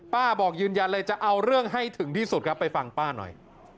บอกยืนยันเลยจะเอาเรื่องให้ถึงที่สุดครับไปฟังป้าหน่อย